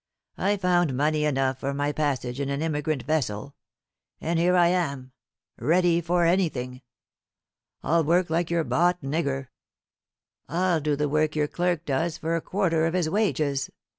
I found money enough for my passage in an emigrant vessel; and here I am, ready for anything. I'll work like your bought nigger. I'll do the work your clerk does for a quarter of his wages.